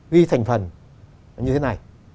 ghi thành phần như thế này